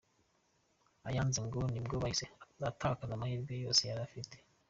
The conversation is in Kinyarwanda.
Ayanze ngo nibwo yahise atakaza amahirwe yose yari afite.